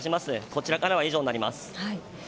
こちらからは以上になります。